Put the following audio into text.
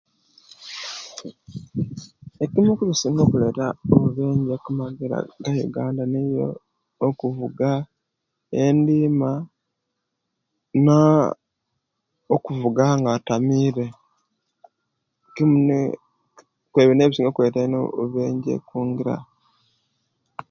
Ekimu ekisingira kuleta bubenje kumagira gayuganda niko kuvuga endiima nokuvuganga atamira kimumwebyo nibyo bisingira kuleta bubenje kungira